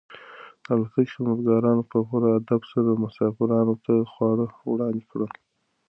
د الوتکې خدمتګارانو په پوره ادب سره مسافرانو ته خواړه وړاندې کړل.